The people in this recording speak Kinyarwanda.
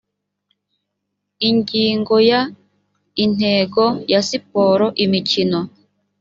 ingingo ya intego ya siporo imikino